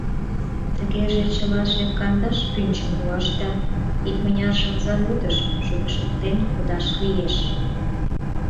Тыге чылаже кандаш пӱнчым руаш да икмыняржым заводыш шупшыктен кодаш кӱлеш.